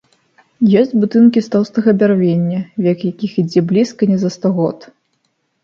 Ёсць будынкі з тоўстага бярвення, век якіх ідзе блізка не за сто год.